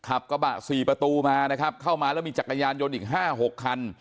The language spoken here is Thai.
ขับกระบะสี่ประตูมานะครับเข้ามาแล้วมีจักรยานยนต์อีก๕๖คัน